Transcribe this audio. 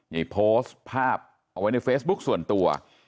นี่โพสต์ภาพเอาไว้ในเฟซบุ๊คส่วนตัว